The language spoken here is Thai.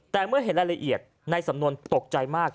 แต่เมื่อเห็นรายละเอียดในสำนวนตกใจมาก